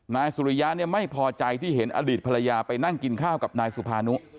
นายสุริยะเนี่ยไม่พอใจที่เห็นอดีตภรรยาไปนั่งกินข้าวกับนายสุภานุ